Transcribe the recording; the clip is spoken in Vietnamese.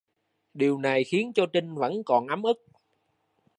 Điều này khiến cho Trinh vẫn còn ấm ức